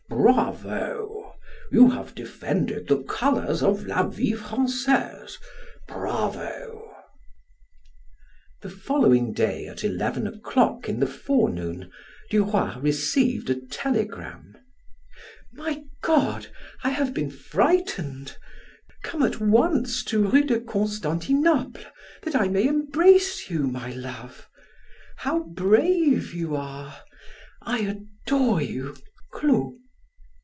"Bravo! you have defended the colors of 'La Vie Francaise'! Bravo!" The following day at eleven o'clock in the forenoon, Duroy received a telegram: "My God! I have been frightened. Come at once to Rue de Constantinople that I may embrace you, my love. How brave you are. I adore you.